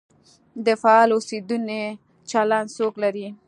د فعال اوسېدنې چلند څوک لري؟